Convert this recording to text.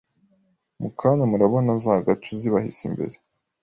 mu kanya murabona za Gacu zibahise imbere